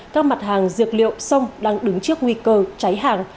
các mặt hàng dược liệu sông đang đứng trước nguy cơ cháy hàng